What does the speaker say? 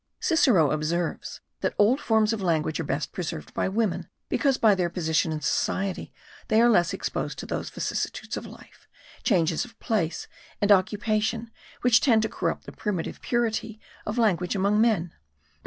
Cicero observes* that old forms of language are best preserved by women because by their position in society they are less exposed to those vicissitudes of life, changes of place and occupation which tend to corrupt the primitive purity of language among men.